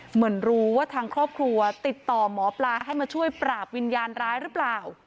เหมือนรู้ว่าทางครอบครัวติดต่อหมอปลาให้มาช่วยปราบวิญญาณร้ายหรือเปล่า